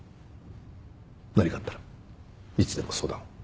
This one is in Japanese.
何かあったらいつでも相談を。